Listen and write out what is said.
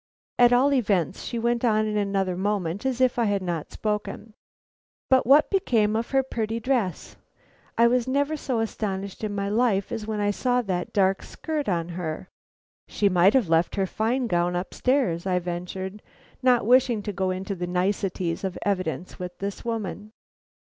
At all events she went on in another moment as if I had not spoken: "But what became of her pretty dress? I was never so astonished in my life as when I saw that dark skirt on her." "She might have left her fine gown upstairs," I ventured, not wishing to go into the niceties of evidence with this woman.